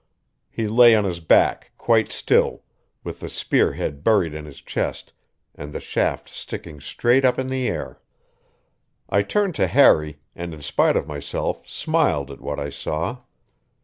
He lay on his back, quite still, with the spear head buried in his chest and the shaft sticking straight up in the air. I turned to Harry, and in spite of myself smiled at what I saw.